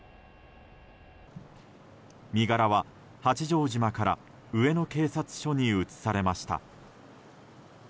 身柄は八丈島から上野警察署に移されました。